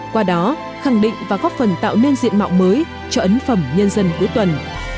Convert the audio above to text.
qua đó khẳng định và góp phần tạo nên diện mạo mới cho ấn phẩm nhân dân cuối tuần